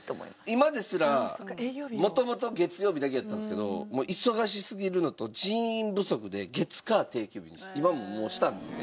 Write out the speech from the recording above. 今ですら元々月曜日だけやったんですけど忙しすぎるのと人員不足で月火定休日に今ももうしたんですって。